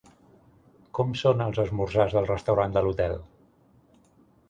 Com són els esmorzars del restaurant de l'hotel?